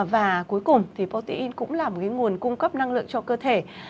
và cuối cùng thì protein cũng là một nguồn cung cấp năng lượng cho cơ thể